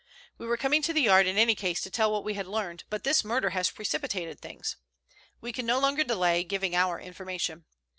We were coming to the Yard in any case to tell what we had learned, but this murder has precipitated things. We can no longer delay giving our information.